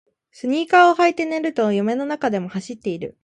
スニーカーを履いて寝ると夢の中でも走っている